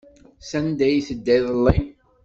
Sanda ay tedda iḍelli?